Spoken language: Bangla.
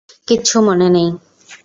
কিচ্ছু মনে নেই।